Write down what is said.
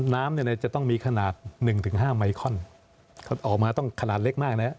น้ำจะต้องมีขนาด๑๕ไมคอนออกมาต้องขนาดเล็กมากนะ